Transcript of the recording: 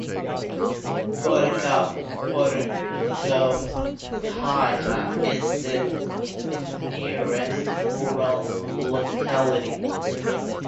Gorka Pokrovskaya is the nearest rural locality.